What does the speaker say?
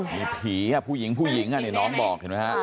มีผีผู้หญิงน้องบอกเห็นไหมคะ